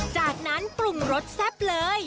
จากนั้นปรุงรสแซ่บเลย